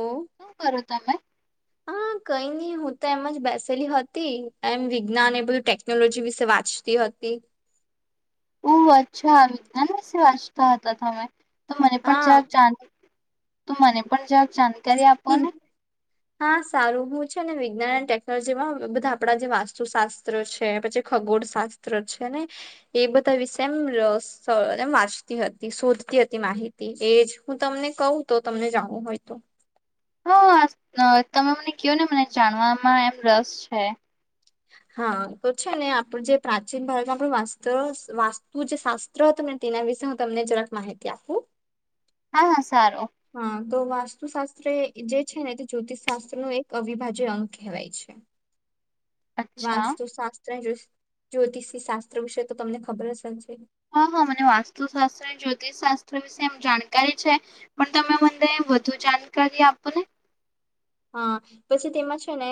ઓ શું કરો તમે હા કઈ ની હું તો એમ જ બેસેલી હતી એમ વિજ્ઞાન એ બધું ટેકનોલોજી વિશે વાંચતી હતી. ઓ અચ્છા વિજ્ઞાન વીશે વાંચતા હતા તમે તો મને પણ હા જાક જા તું મને પણ જ ચાં હા સારું બું છે. ને વિજ્ઞાન એ ટેકનોલોજી માં બધા આપડા જે વાસ્તુશાસ્ત્ર છે પછી ખગોળ શાસ્ત્ર છે ને, એ બધા વિશે એમ એમ વાંચતી હતી શોધતી હતી માહિતી એજ હું તમને કહું તો તમને જાણું હોય તો. હા તમે મને કહયો ને મને જાણવામાં એમ રસ છે. હા તો છે ને આપણું જે પ્રાચીન ભારતમાંસ્ત વાસ્તુ જે શાસ્ત્ર હતું ને તેના વિશે હું તમને જરાક માહિતી આપું. હા હા સારું. હા તો વાસ્તુશાસ્ત્ર જે છે ને તે જ્યોતિષશાસ્ત્ર ન એક અવિભાજ્ય અંગ કહેવાય છે. અચ્છા વાસ્તુશાસ્ત્ર જ્યોતિષી શાસ્ત્ર વિશે તો તમને ખબર જ હશે હા હા મને વાસ્તુશાસ્ત્ર જ્યોતિષશાસ્ત્ર વિશે એમ જાણકારી છે, પણ તમે મને વધુ જાણકારી આપોને. હા, પછી તેમાં છે ને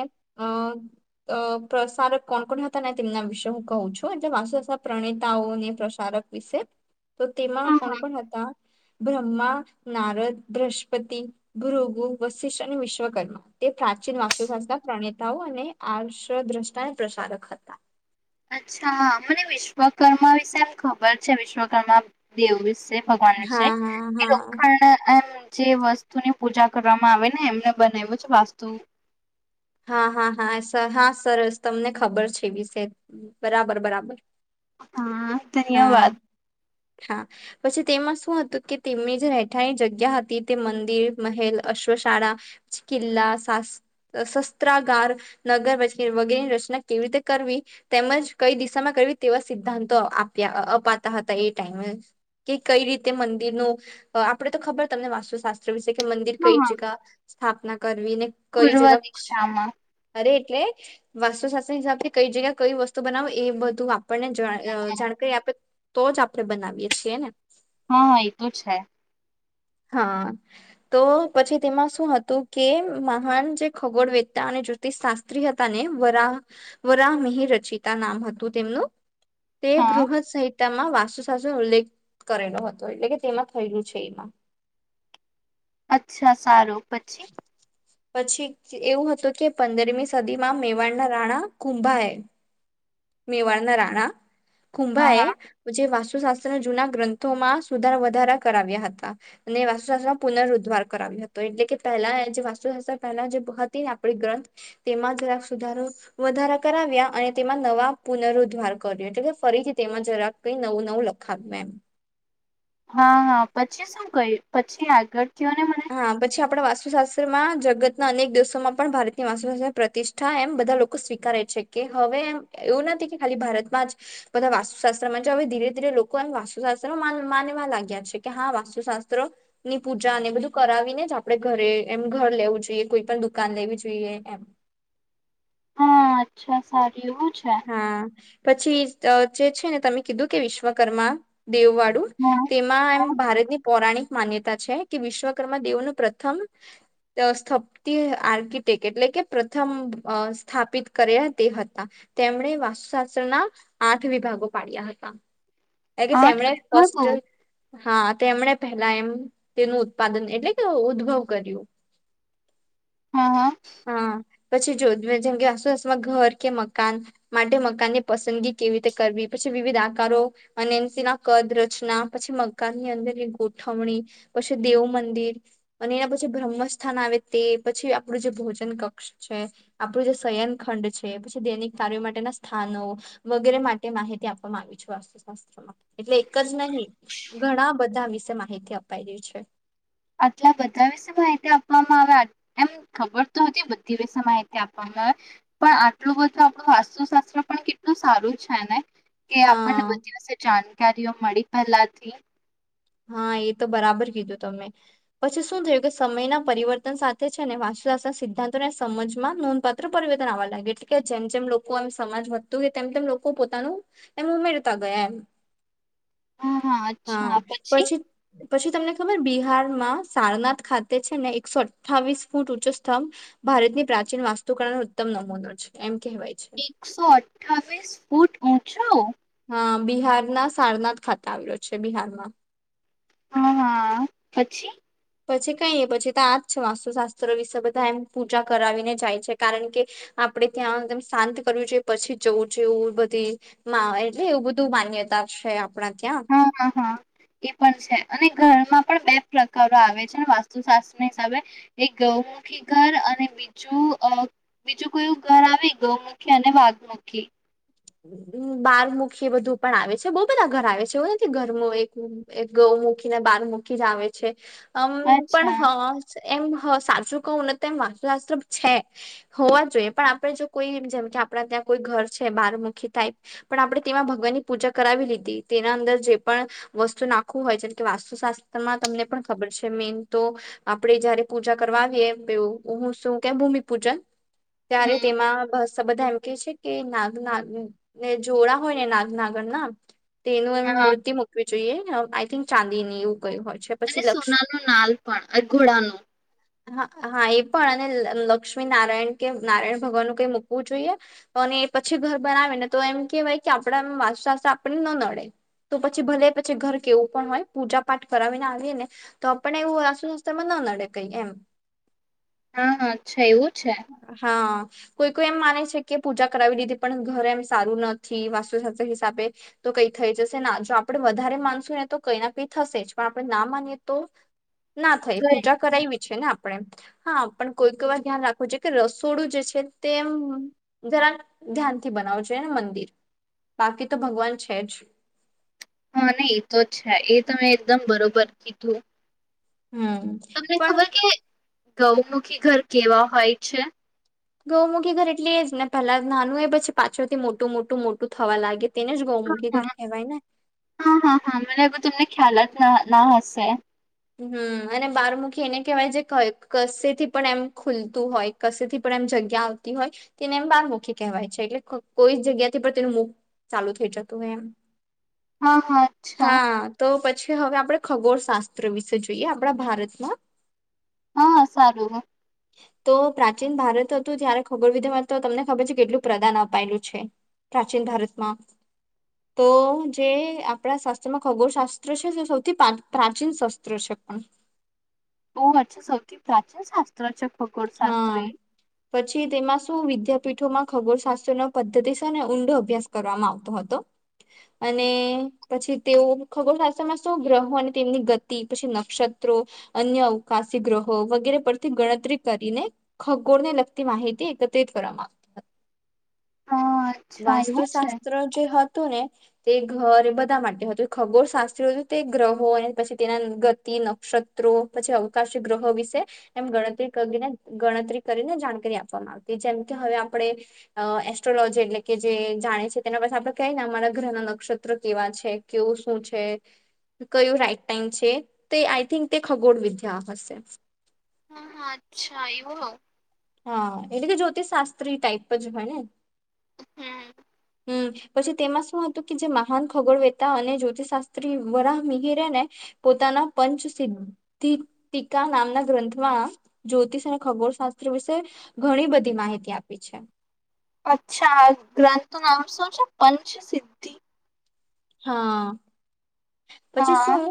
અ પ્રસારક કોણ કોણ હતા ને તેમના વિશે હું કવું છું એટલે વાસ પ્રણેતાઓને પ્રસારક વિશે. તો તેમાં હા કોણ કો હતા. અ્મા નારદ, બ્રહસ્પતિ ભૃગુ વશિષ્ અને વિશ્વ કર્મ, તે પ્રાચીન વાસ્તુશાસ્ત્ર પ્રણેતાઓ અને આ દ્રષ્ટાને પ્રસારક હતા. અચ્છા મને વિશ્વકર્મા વિશે એમ ખબર છે વિશ્વકર્મા દેવ વિશે. ભગવાન વિશે, હા હા એ લોંણ એમ જે વસ્તુની પૂજા કરવામાં આવે ને એમને બનાવ્યું છે વાસ્તુ હા હા હા સર હા સરસ તમને ખબર છે વિશે બરાબર બરાબર. હા હા ધન્યવાદ. હા, પછી તેમાં શું હતું કે તેમની જે રહેઠાની જગ્યા હતી તે મંદિર મહેલ અશ્વશાળા, કિલ્લા ચત્રગાર, નગર વ વગેરેની રચના કેવી રીતે કરવી તેમજ કઈ દિશામાં કરવી તેવા સિદ્ધાંતો આપ્યા અપાતા હતા એ ટાઈમે, કે કઈ રીતે મંદિર ન આપણેે તો ખબર તમને વાસ્તુશાસ્ત્ર શેખ મંદિર હા કઈ હા જગ સ્થાપના વીને કઈ પૂર્વ જગ દિશામાં અરે એટલે, વાસ્તુશાસ્ત્ર હિસાબથી કઈ જગ્યા કઈ વસ્તુ બનાવે એ બધું હા આપણને જાણકારી આપે. તો જ આપડણે બનાવીએ છીએ ને. હા એ તો છે. હા, તો પછી તેમાં શું હતું કે મહાન જે ખગોળ વેદતા અને જ્યોતિષ શાસ્ત્રી હતા ને વરા, વરામિહ રચિતા નામ હતું તેમનું. તે હા બૃહદ સહિત તેમાં વાસુ સાસુનો ઉલ્લેખ કરેલો હતો એટલે કે તેમાં થયેલું છે એમાં. અચ્છા સારું પછી પછી એવું હતું કે પંદરમી સદીમાં મેવાડના રાણા કુંભાાય એ મેવાડના રાણા હા કુંભાએ હા હ મુછ વાસ તાસ્ત્રના જૂના ગ્રંથોમાં સુધારા વધારા કરાવ્યા હતા, અને વાસ્તુશાસ્ત્રમાં પુનરદ્ધ્વાાર કરાવ્યો હતો એટલે કે પહેલા જે વાસ્તુશાસ્ત્ર પહેલા જે હતી ને આપડી ગ્રંથ, તેમાં જરાક સુધારો વધારા કરાવ્યા અને તેમાં નવા પુનરુદ્ધાર કર્યો એટલે કે ફરીથી તેમાં જરાક કઈ નવું નવું લખાવ્યું એમ. હા હા પછી શું ગય પછી આગળ કયો ને મને હા પછી આપડ વાસ સ્તુ શાસ્ત્રમાં જગતના અનેક દિવસોમાં પણ ભારતની વાસ્તુશાસ્ત્ર પ્રતિષ્ઠા એમ બધા લોકો સ્વીકારે છે કે હવેમ એવું નથી કે ખાલી ભારતમાં જ બધા વાસ્તુશાસ્ત્રમાં હવે ધીરે ધીરે લોકો એમ વાસ્તુશાસ્ત્ર માનવા લાગ્યા છે કે હા વાસ્તુશાસ્ત્રો ની પૂજા અને બધું. કરાવીને જ આપડે ઘરે એમ ઘર લેવું જોઈએ કોઈ પણ દુકાન લેવી જોઈએ એમ. અચ્ા સ કેવું છે. હા પછી જે છે ને તમે કીધું કે વિશ્વકર્મા. દેવવાડું હા તેમાં એમ ભારતની પૌરાણિક. માન્યતા છે કે વિશ્વકર્મા દેવનું પ્રથમ સ્થપતિ આર્કિટેક્ટ એટલે કે પ્રથમ સ્થાપિત કર્યા તે હતા. તેમણે વાસ્તુશાસ્ત્રના આઠ વિભાગો પાડ્યા હતા. એ કે આઠ તેમણે ફસ્ટ વિભાગો હા. તેમણે પેલા એમ તેનું ઉત્પાદન એટલે કે ઉદ્ભવ કર્યું. હા હા હા. પછી જો જેમ કે આસુસુમાં ઘર કે મગ. માટે મકાનની પસંદગી કેવી રીતે કરવી પછી વિવિધ આકારો અને તેના કદ રચના પછી મકાનની અંદરની ગોઠવણી પછી દેવ મંદિર અને એના પછી બ્રહ્મસ્થાન આવે તે પછી આપણું જે ભોજન કક્ષ છે આપણું જે શયન ખંડ છે પછી દૈનિક. કાર્યો માટેના સ્થાનો વગેરે માટે માહિતી આપવામાં આવી છે વાસ્તુશાસ્ત્રમાં એટલે એક જ નહીિ ઘણા બધા વિશે માહિતી અપાયાઈ રહી છે. આટલા બધા વિશે માહિતી આપવામાં આવે એમ ખબર તો હતી બધી વિશે માહિતી આપવામાં આવે પણ આટલું બધું આપણું વાસ્તુશાસ્ત્ર પણ કેટલું સારું છેને. કે આપણને હા બતિઓ જાણ. ઓ મળી પહેલાથી. હા એ તો બરાબર કીધું તમે પછી શું થયું કે સમયના પરિવર્તન સાથે છે ને વાસુદસના સિદ્ધાંતોને સમજમાં નોંધપાત્ર પરિવર્તન આવવા લાગ્યું એટલે કે જેમ જેમ લોકો એમ સમાજ વધતું ગય તેમ તેમ લોકો પોતાનું એમ ઉમેરતા ગયા એમ. હા હા અચ્છા પછી. પછી પછી તમને. ર બિહારમાં સારનાથ ખાતે છે ને એકસો અઠ્ઠાવીસ ફૂટ ઉઊંચો સ્તંભ ભારતની પ્રાચીન વાસ્તુકણનો ઉત્તમ નમૂનો છે એમ. કહેવાય છે. એકસો અઠ્ઠાવીસ ફૂટ. ઓછું. હા બિહારના સારનાથ ખાતે આવેલો છે બિહારમાં. હા હા પછી. પછી કઈ એ પછી તો આજ વાસ્તુશાસ્ત્ર વિશે બધા એમ પૂજા કરાવીને જાય છે કારણ કે આપડે ત્યાંમ શાંત કરવી જોઈએ પછી જવું જોઈએ એવું બધી એટલે એવું બધું માન્યતા છે. આપણા ત્યાં. હા હા હા એ પણ છે અને ઘરમાં પણ બે પ્રકારો આવે છે વાસ્તુશાસ્ત્ર હિસાબે એક ગૌમુખી ઘર અને બીજું. બીજું કોયું ઘર આવે ગ. અને વાઘ મૂકી. બહાર મૂકી એ બધું પણ આવે છે બહુ બધા ઘર આવે છે એવું નથી ઘર એક ગૌ મૂકીને બહાર મૂકી જ આવે છે. આમ પણ અચ્છા હા. એમ સાચું કહું ને તો એમ વાસ્તુ આસ્ત્ર છે હોવા જોઈએ પણ આપડે જો કોઈ જેમ કે આપણા ત્યાં કોઈ ઘર છે બાર. આી ટ પણ આપણે તેમાં ભગવાનની પૂજા કરાવી લીધી તેના અંદર જે પણ વસ્તુ નાખવું હોય છેમ કે વાસ્તુશાસ્ત્રમાં તમને પણ ખબર છે મેન તો આપણે જયારે પૂજા કરવાવીએ હું શું કે ભૂમિપૂજન. ત્યારે હમ તેમાંસ. બધા એમ કે છે કે નાગ ના. ને જોડા હોય ને નાગનાગર ના. તે એનું એ હા મૂર્તિ મૂકવી જોઈએ. ક ચાંદી એવું કયું હોય. છે અને પછી લક્ષ સોના ન નાલ પણ ઘોડાનું. હા હા એ પણ અને લક્ષ્મી નારાયણ કે નારાયણ ભગવાનનુંું કઈ મૂકવું જોઈએ અને પછી ઘર બનાવીને. તો એમ કેહેવાય કે આપણા એમ વાસુસ્ આપને ન નડે તો પછી ભલે પછી ઘર કેવું પણ હોય પૂજા પાઠ કરાવીને આવીએ ને તો આપણે એવું વાસુસ્ત્રમાં ન નડે કઈ એમ. હા હા છેા એવું જ. હા. કોઈ કોઈ એમ માને છે કે પૂજા કરાવી લીધી પણ ઘરે એમ સારું નથી વાસ્તુશાસ્ત્ર હિસાબે તો કઈ થઈ જશે ના જો આપણેે વધારે માનશું ને તો કઈ ના કઈ થશે જ પણ આપણે ના માનીએ તો. ના થઈ તો એ પૂજા કરાવ વિ. ને આપણે હા પણ કોઈક વાર ધ્યાન રા. ખ છે કે રસોડું જે છે તે જરા ધ્યાનથી બનાવ જોોએને મંદિર બાકી તો ભગવાન છે જ. હા ને એ તો છે એ તમે એકદમ બરોબર કીધું. હમ તમને પણ. ખબર કે ગૌમુખી ઘર કેવા હોય છે. ગૌમુખીઘર એટલે એ જ ને પેલા નાનું એ પછી પાછળ થી મોટું મોટું મોટું થવા લાગે તેને જ હ ગૌમુખી હા ઘર કહેવાય ને હા હા હા મને એવો તમને ખ્યાલ ના ના હશે. હમ્મ અને બારમુખી એને કહેવાય છે કશે થી પણ એમ ખુલતું હોય કસેથી પણ એમ જગ્યા આવતી હોય તેને એમ બારમુખી કહેવાય છે એટલે કોઈ જગ્યાથી પણ તેનું મુખ ચાલુ થઈ જતું હોય એમ. હા હા અચ્છા હા તો હવે આપણે ખગોળ શાસ્ત્ર વિશે જોઈએ આપણા ભારતમાં હા સારું હ તો પ્રાચીન ભારત હતું ત્યારે ખગોળ વિધમાં તો તમને ખબર છે કેટલું પ્રદાન અપાયેલું છે પ્રાચીન ભારતમાં તો જે આપણા શાસ્ત્રમાં ખગોળશાસ્ત્ર છે તે સૌથી પ્રા પ્રાચીન શસ્ત્ર છે પણ. ઓ અચ્છા સૌથી પ્રાચીન શાસ્ત્ર છે! ખગોળ શાસ્ત્ર હા એ પછી તેમાં શું વિદ્યા પીઠોમાં ખગોળશાસ્ત્ર ન પદ્ધતિ છે ને ઊંડો અભ્યાસ કરવામાં આવતો હતો અને પછી તેઓ ખગોળશાસ્ત્રમાં શો ગ્રહો અને તેમની ગતિ પછી નક્ષત્રો અન્ય અવકાશી ગ્રહો વગેરે પરથી ગણતરી કરીને ખગોળને લગતી માહિતી એકત્રિત કરવામાં આવતી હતી. હા અચ્છા એવું છે વાસ્તુશાસ્ત્ર જે હત હતું ને તે ઘર એ બધા માટે હતું ખગોળ શાસ્ત્રી હતું તે ગ્રહો અને પછી તેના ગતિ નક્ષત્રો પછી અવકાશી ગ્રહો વિશે એમ ગણતરી કરીને ગણતરી કરીને જાણકારી આપવામાં આવતી જેમ કે હવે આપણે એસ્ટ્રોલોજી એટલે કે જે જાણે છે તેના પાસે આપણે કને અમારા ગ્રહના નક્ષત્ર કેવા છે કેવું શું છે કયું રાઈટ ટાઈમ છે તે આઈ થિંક તે ખગોળ વિદ્યા હશે. હા હા અચ્છા એવું હ હા એટલે કે જ્યોતિષશાસ્ત્રી ટાઈપ જ હોય ને. હમ્મ હમ્મ પછી તેમાં શું હતું કે જે મહાન ખગોળ વેતા અને જ્યોતિષશાસ્ત્રી વરા મિહરેને પોતાના પંચ સિધિતિકા નામના ગ્રંથમાં જ્યોતિષ અને ખગોળશાસ્ વિશે ઘણી બધી માહિતી આપી છે. અચ્છા ગ્રંથ નુ નામ શું છે પંચસિદ્ધિ? હા પછી હા શું?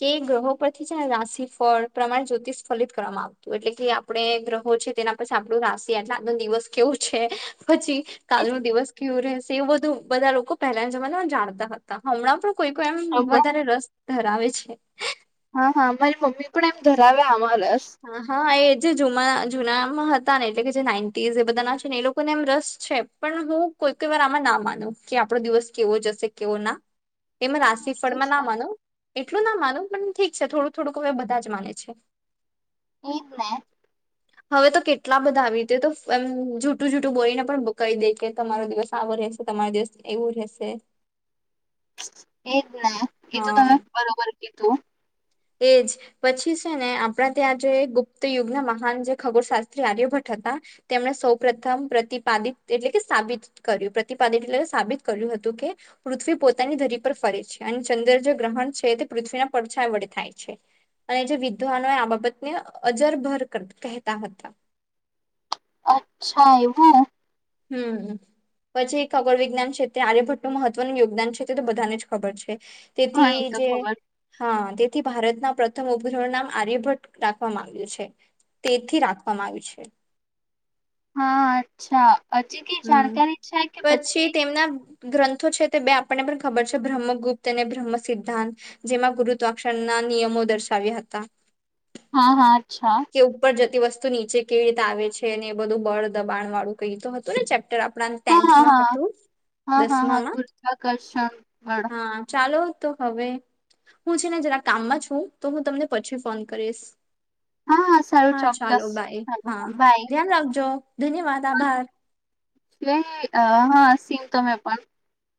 કે ગ્રહો પરથી છે ને રાશિ ફળ પ્રમાણે જ્યોતિષ ફલિત કરવામાં આવતું એટલે કે આપણે ગ્રહો છે તેના પછ આપણું રાશિ એટલે આનો દિવસ કેવો છે પછી કાલ નો દિવસ કેવો રહે તે બધું બધા લોકો પહેલાના જમાનામાં જાણતા હતા હમણાં પણ કોઈ કો એમ હા બસ ધરાવે છે હા હા મારી મમ્મી પણ એમ ધરાવે. આમાં રસ. હા હા એ જે જના જુનામાં હતા ને એટલે કે જે નાઇન્ટીઝ એ બધા ના છે ને એ લોકોને એમ રસ છે પણ હું કોઈ કોઈ વાર આમાં ના માનું કે આપણો દિવસ કેવો જશે કેવો ના એમાં હા એ તો રાશીફળમાં ના છે, માનું એટલું ના માનું પણ ઠીક છે થોડું થોડુંક હવે બધા જ માને છે. એજ ને હવે તો કેટલા બધા આવી રીતે તો એમ જૂઠું જૂઠું બોલીને પણ કહી દે કે તમારો દિવસ આવો રહેશે તમારો દિવસ એવું રહેશે. એજ ને એ તો હા તમે બરોબર એ તો એજ પછી છે ને આપણા ત્યાં જે ગુપ્ત યુગના મહાન જે ખગોળશાસ્ત્રી આર્યભટ્ટ હતા તેમણે સૌ પ્રથમ પ્રતિપાદિત એટલે કે સાબિત કર્યું પ્રતિપાદિત એટલે સાબિત કર્યું હતું કે પૃથ્વી પોતાની ધરી પર ફરે છે અને ચંદ્ર જે ગ્રહણ છે તે પૃથ્વીના પડછાય વળે થાય છે અને જે વિદ્વાનો આ બાબતને અજરભર કહેતા હતા અચ્છા એવું હમ પછી એક ખબર વિજ્ઞાન છેત્ર એ આર્યભટ્ટું મહત્વનું યોગદાન છે તે તો બધાને જ ખબર છે હા તેથી એ તો જે ખબર. હા તેથી ભારતના પ્રમભ નામ આર્યભટ્ટ રાખવામાં આવ્યું છે તેથી રાખવામાં આવ્યું છે હા અચ્છા હજી કે હમ. જાણકારી છે કે પછી ગ્રંથો છે તે બે આપણને પણ ખબર છે બ્રહ્મગુપ્ત અને બ્રહ્મ સિદ્ધાંત જેમાં ગુરુત્વાક્ષરના નિયમો દર્શાવ્યા હતા હા હા અચ્છા કે ઉપર જતી વસ્તુ નીચે કેવી રીતે આવે છે ને એ બધું બળ દબાણ વાળું કઈ તો હતું [unintelligible] આપ હા ટેન્થ હા હા હતું હા હા હા દસમામાં ગુરુત્વાકર્ષણ બળ હા ચાલો તો હવે હું છે ને જરા કામમાં છું તો હું તમને પછી ફોન કરીશ હા સારું હા ચાલો ચોક્કસ. Bye hello. હા બાય. ધ્યાન રાખજો ધન્યવાદ આભાર હા સીમ તમે પણ